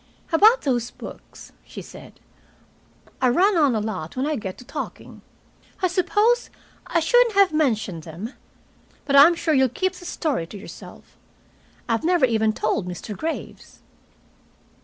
"About those books," she said. "I run on a lot when I get to talking. I suppose I shouldn't have mentioned them. But I'm sure you'll keep the story to yourself. I've never even told Mr. Graves."